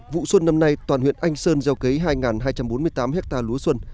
vụ xuân năm nay toàn huyện anh sơn gieo cấy hai hai trăm bốn mươi tám hectare lúa xuân